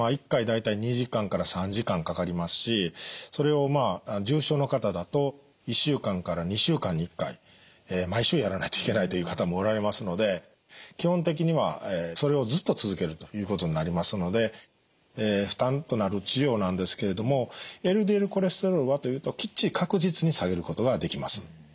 １回大体２時間から３時間かかりますしそれを重症の方だと１週間から２週間に１回毎週やらないといけないという方もおられますので基本的にはそれをずっと続けるということになりますので負担となる治療なんですけれどもＬＤＬコレステロールはというときっちり確実に下げることができます。